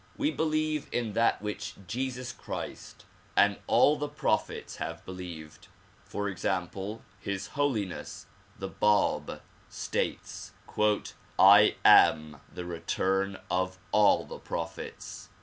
We believe in that which Jesus Christ and all the prophets have believed. For example His Holiness the Bab states *'I am the return of all the prophets."